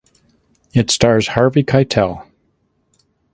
It stars Harvey Keitel.